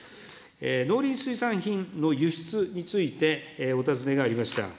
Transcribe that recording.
農林水産品の輸出についてお尋ねがありました。